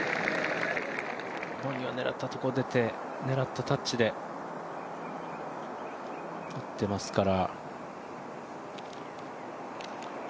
本人は狙ったところ出て、狙ったタッチで打ってますから。